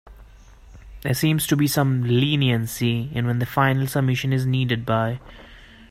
There seems to be some leniency in when the final submission is needed by.